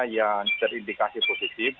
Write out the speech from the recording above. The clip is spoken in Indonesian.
yang terindikasi positif